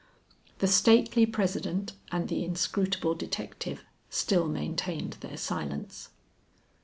The stately president and the inscrutable detective still maintained their silence.